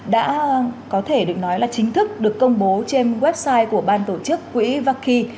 đã có thể được nói là chính thức được công bố trên website của ban tổ chức quỹ vaki